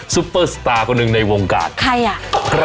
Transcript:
ปเปอร์สตาร์คนหนึ่งในวงการใครอ่ะ